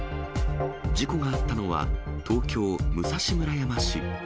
事故があったのは、東京・武蔵村山市。